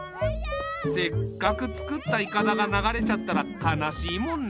せっかく作ったいかだが流れちゃったら悲しいもんね。